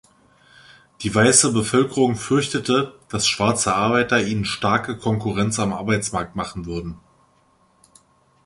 Die weiße Bevölkerung fürchtete, dass schwarze Arbeiter ihnen starke Konkurrenz am Arbeitsmarkt machen würden.